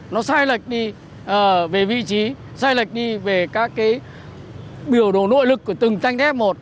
nó sai lệch đi về vị trí sai lệch đi về các cái biểu đồ nội lực của từng tranh ghép một